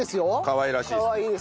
かわいらしい質問。